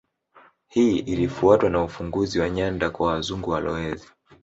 Hii ilifuatwa na ufunguzi wa nyanda kwa Wazungu walowezi